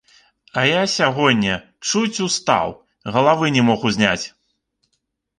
А я сягоння чуць устаў, галавы не мог узняць.